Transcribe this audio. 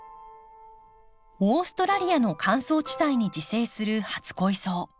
オーストラリアの乾燥地帯に自生する初恋草。